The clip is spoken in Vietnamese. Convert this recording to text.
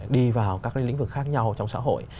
đi vào các lĩnh vực khác nhau trong xã hội